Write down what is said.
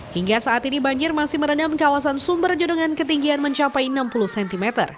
hingga saat ini banjir masih merenam kawasan sumberjo dengan ketinggian mencapai enam puluh cm